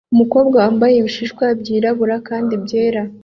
Umukobwa wambaye ibishishwa byirabura kandi byera